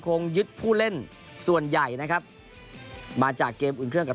คงยึดผู้เล่นส่วนใหญ่นะครับมาจากเกมอุ่นเครื่องกับ